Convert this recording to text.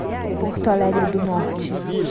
Porto Alegre do Norte